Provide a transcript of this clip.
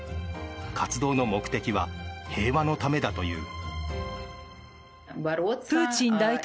活動の目的は平和のためだという。